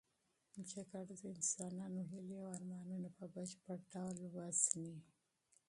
جګړه د انسانانو هیلې او ارمانونه په بشپړ ډول تباه کوي.